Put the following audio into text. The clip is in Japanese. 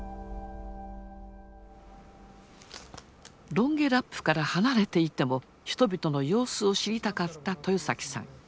ロンゲラップから離れていても人々の様子を知りたかった豊さん。